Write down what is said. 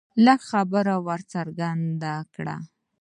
لږ خبره ور څرګنده کړه